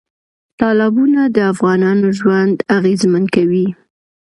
تالابونه د افغانانو ژوند اغېزمن کوي.